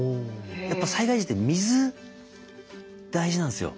やっぱ災害時って水大事なんですよ。